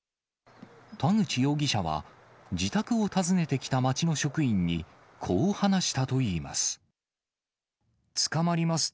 田口容疑者は、自宅を訪ねてきた町の職員に、こう話したといいます。